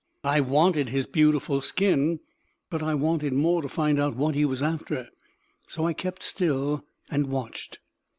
I wanted his beautiful skin; but I wanted more to find out what he was after; so I kept still and watched.